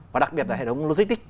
và đặc biệt là hệ thống logistic